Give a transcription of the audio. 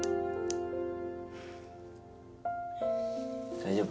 大丈夫？